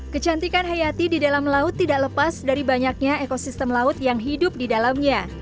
kecantikan hayati di dalam laut tidak lepas dari banyaknya ekosistem laut yang hidup di dalamnya